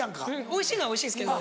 おいしいのはおいしいですけど。